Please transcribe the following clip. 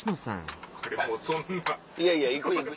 いやいや行く行く。